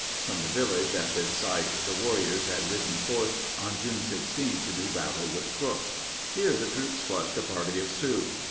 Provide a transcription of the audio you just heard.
(From the village at this site the warriors had ridden forth on June 16 to do battle with Crook.) Here the troops flushed a party of Sioux.